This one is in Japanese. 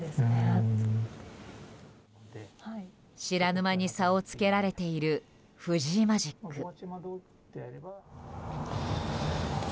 知らぬ間に差をつけられている藤井マジック。